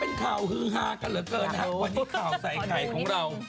เป็นข่าวฮือฮากันเหลือเกินนะครับวันนี้ข่าวใส่ไข่ของเรา